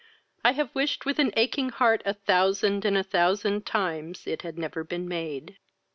I have wished with an aching heart a thousand and a thousand times it had never been made.